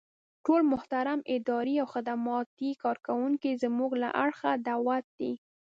ټول محترم اداري او خدماتي کارکوونکي زمونږ له اړخه دعوت يئ.